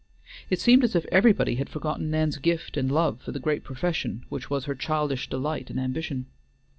It seemed as if everybody had forgotten Nan's gift and love for the great profession which was her childish delight and ambition.